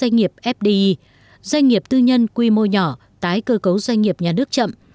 doanh nghiệp fdi doanh nghiệp tư nhân quy mô nhỏ tái cơ cấu doanh nghiệp nhà nước chậm